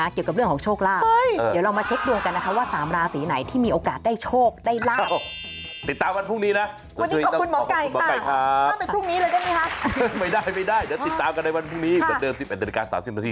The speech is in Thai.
เกี่ยวกับเรื่องของโชคลา